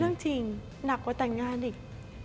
เรื่องจริงหนักกว่าแต่งงานอีก